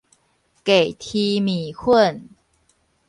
低黐麵粉